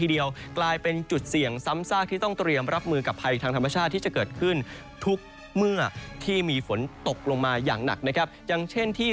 เดียวกลายเป็นจุดเสี่ยงซ้ำซากที่ต้องเตรียมรับมือกับภัยทางธรรมชาติที่จะเกิดขึ้นทุกเมื่อที่มีฝนตกลงมาอย่างหนักนะครับอย่างเช่นที่